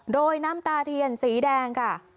โดยน้ำตาเทียนสีแดงค่ะ